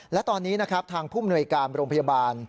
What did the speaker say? และตอนนี้นะครับทางผู้มนวยการโรงพยาบาล